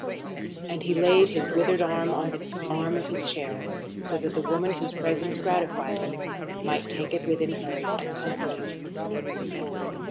And he laid his withered hand on the arm of his chair, so that the woman whose presence gratified him might take it within hers and comfort him.